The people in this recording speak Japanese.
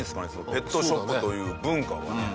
ペットショップという文化がね。